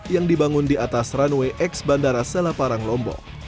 yang dibangun di atas runway x bandara selaparang lombok